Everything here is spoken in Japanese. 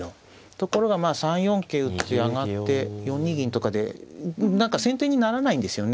ところが３四桂打って上がって４二銀とかで何か先手にならないんですよね。